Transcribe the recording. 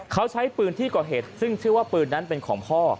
เขาใช้ปืนที่ก่อเหตุซึ่งชื่อว่าปืนนั้นเป็นของพ่อ